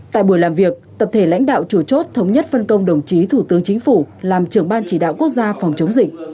tại buổi làm việc tập thể lãnh đạo chủ chốt thống nhất phân công đồng chí thủ tướng chính phủ làm trưởng ban chỉ đạo quốc gia phòng chống dịch